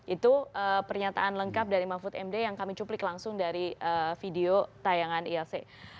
itu pernyataan lengkap dari mahfud md yang kami cuplik langsung dari video tayangan ilc